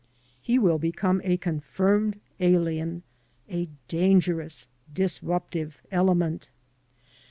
He will become a confirmed alien, a dangerous, disruptive element.